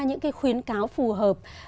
những khuyến cáo phù hợp